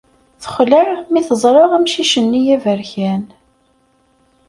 Texleɛ mi teẓra amcic-nni aberkan.